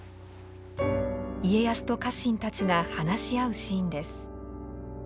家康と家臣たちが話し合うシーンです。